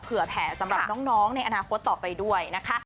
เภอแผนสำหรับน้องควรต่อไปด้วย